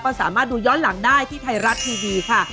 ก็สามารถดูย้อนหลังได้ที่ไทยรัฐทีวีค่ะ